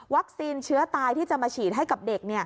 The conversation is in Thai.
เชื้อตายที่จะมาฉีดให้กับเด็ก